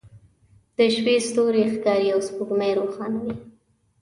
د شپې ستوری ښکاري او سپوږمۍ روښانه وي